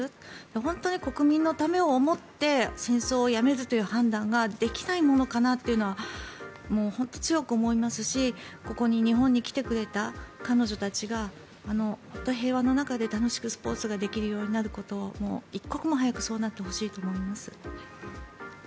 本当に国民のためを思って戦争をやめるという判断ができないものかなというのは本当に強く思いますしここに日本に来てくれた彼女たちが平和の中で楽しくスポーツができるようになることを一刻も早くそうなってほしいと思います。